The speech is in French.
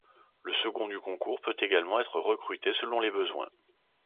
Le second du concours peut également être recruté selon les besoins.